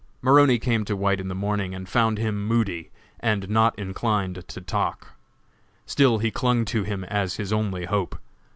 Maroney came to White in the morning, and found him moody, and not inclined to talk. Still he clung to him as his only hope.